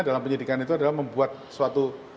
dalam penyidikan itu adalah membuat suatu